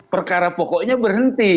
perkara pokoknya berhenti